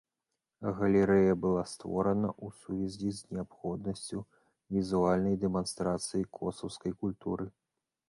Галерэя была створана ў сувязі з неабходнасцю візуальнай дэманстрацыі косаўскай культуры.